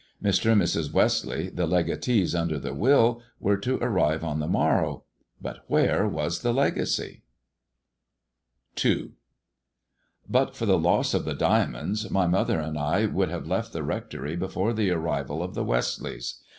Mr. and Mrs. Westleigh, the legatees under the will, were to arrive on the morrow — r but where was the legacy ] II BUT for the loss of the diamonds my mother and I would have left the Rectory before the arrival of the Westleijghs.